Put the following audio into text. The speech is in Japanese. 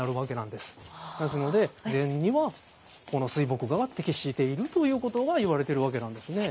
ですので禅にはこの水墨画が適しているということがいわれてるわけなんですね。